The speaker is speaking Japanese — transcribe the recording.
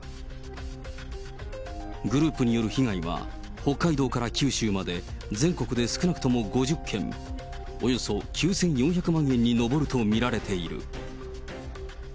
グループによる被害は、北海道から九州まで全国で少なくとも５０件、およそ９４００万円に上ると見られている。